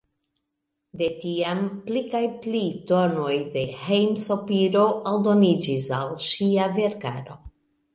De tiam pli kaj pli tonoj de hejm-sopiro aldoniĝis al ŝia verkaro.